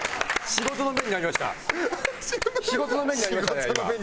仕事の目になりましたね